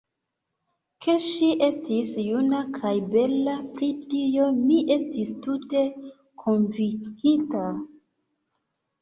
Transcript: Ke ŝi estis juna kaj bela, pri tio mi estis tute konvinkita.